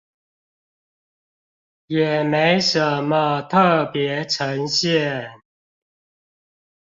也沒什麼特別呈現